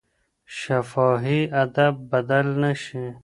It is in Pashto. شفاهي ادب بدل نه شي.